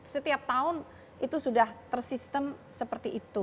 setiap tahun itu sudah tersistem seperti itu